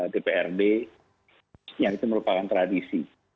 di prd yang itu merupakan tradisi